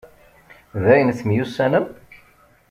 Dayen, temyussanem?